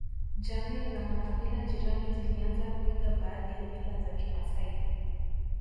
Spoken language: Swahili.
Jamii za makabila jirani zilianza kuiga baadhi ya mila za kimasai